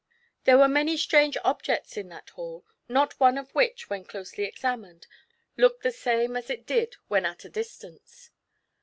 There were many strange objects in that hall, not one of which, when closely examined, looked the same as it did when at a distance.